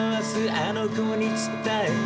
「あの娘に伝えて」